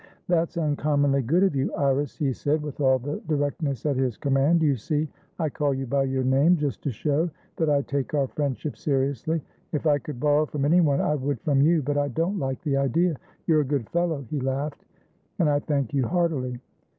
"That's uncommonly good of you, Iris," he said, with all the directness at his command. "You see, I call you by your name, just to show that I take our friendship seriously. If I could borrow from anyone I would from you. But I don't like the idea. You're a good fellow" he laughed"and I thank you heartily."